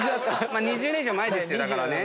２０年以上前ですよ。